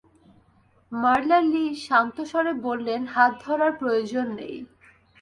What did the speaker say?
মারলা Lee শান্ত স্বরে বললেন, হাত ধরার প্রয়োজন নেই।